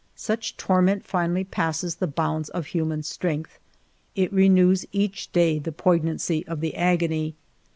Such torment finally passes the bounds of human strength. It renews each day the poi gnancy of the agony.